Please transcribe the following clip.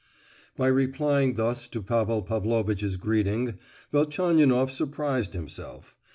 By replying thus to Pavel Pavlovitch's greeting Velchaninoff surprised himself.